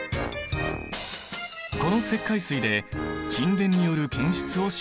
この石灰水で沈殿による検出をしてみよう。